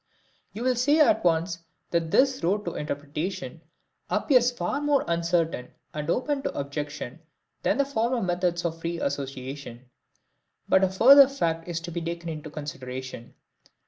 You will say at once that this road to interpretation appears far more uncertain and open to objection than the former methods of free association. But a further fact is to be taken into consideration.